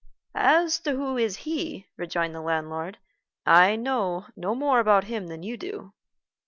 "As to who is he," rejoined the landlord, "I know no more about him than you do.